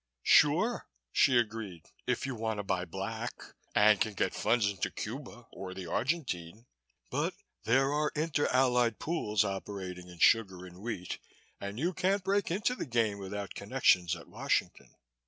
"Sure," she agreed, "if you want to buy Black and can get funds into Cuba or the Argentine. But there are inter allied pools operating in sugar and wheat and you can't break into the game without connections at Washington."